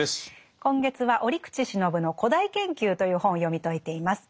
今月は折口信夫の「古代研究」という本を読み解いています。